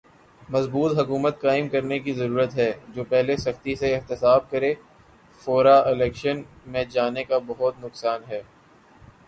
مضبوط حکومت قائم کرنے کی ضرورت ہے۔۔جو پہلے سختی سے احتساب کرے۔۔فورا الیکشن میں جانے کا بہت نقصان ہے۔۔